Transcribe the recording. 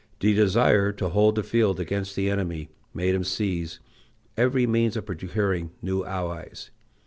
The desire to hold the field against the enemy made him seize every means of procuring new allies.